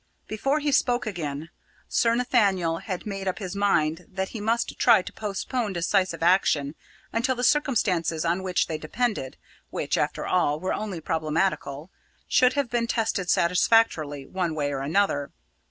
Before he spoke again, Sir Nathaniel had made up his mind that he must try to postpone decisive action until the circumstances on which they depended which, after all, were only problematical should have been tested satisfactorily, one way or another.